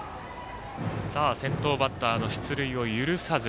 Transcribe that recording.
先頭バッターの出塁を許さず。